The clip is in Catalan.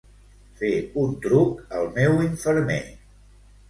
Fer un truc al meu infermer.